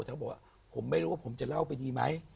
แต่เขาบอกว่าผมไม่รู้ว่าผมจะเล่าไปดีไหม